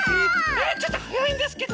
えっちょっとはやいんですけど！